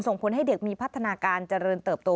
ส่งผลให้เด็กมีพัฒนาการเจริญเติบโต